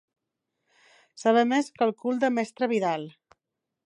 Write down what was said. Saber més que el cul de mestre Vidal.